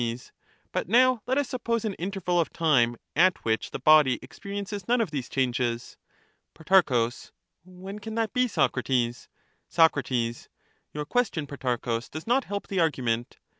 But now let us suppose an interval of time at which the body experiences none of these changes. Pro. When can that be, Socrates ? Soc. Your question, Protarchus, does not help the argument.